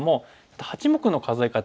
８目の数え方。